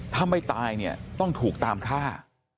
ถ้าไม่ตายเนี่ยต้องถูกตามฆ่า